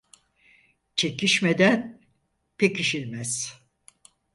Çekişmeden pekişilmez.